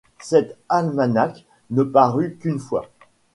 Cet almanach ne parut qu'une fois.